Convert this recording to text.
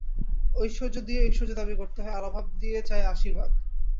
ঐশ্বর্য দিয়েই ঐশ্বর্য দাবি করতে হয়, আর অভাব দিয়ে চাই আশীর্বাদ।